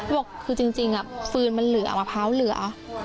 บอกคือจริงฟืนมันเหลือมะพร้าวเหลือ